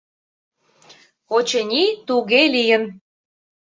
— Очыни, туге лийын.